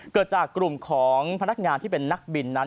เกิดจากกลุ่มของพนักงานที่เป็นนักบินนั้น